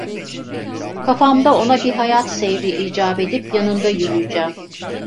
Kafamda ona bir hayat seyri icap edip yanında yürüyeceğim.